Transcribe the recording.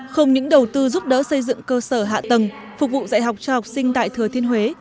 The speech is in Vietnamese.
không những đầu tư giúp đỡ xây dựng cơ sở hạ tầng phục vụ dạy học cho học sinh tại thừa thiên huế